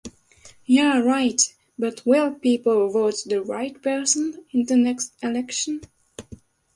Ya right. But will people vote the right person in the next election?